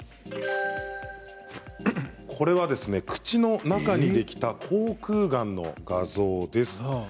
これは、口の中にできた口くうがんの画像です。